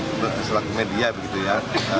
soalnya sih kami selaku media begitu ya